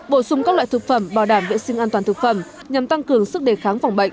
bổ sung các loại thực phẩm bảo đảm vệ sinh an toàn thực phẩm nhằm tăng cường sức đề kháng phòng bệnh